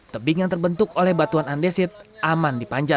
tebing yang terbentuk oleh batuan andesit aman dipanjat